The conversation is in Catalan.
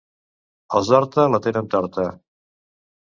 Els d'Horta la tenen torta.